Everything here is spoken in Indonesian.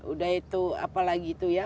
udah itu apalagi itu ya